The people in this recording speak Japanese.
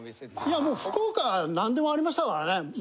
いやもう福岡何でもありましたからね。